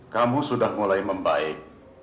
kamu sudah mulai membaik